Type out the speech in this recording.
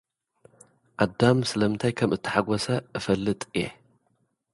ኣዳም ስለምንታይ ከም እተሓጐሰ እፈልጥ እየ።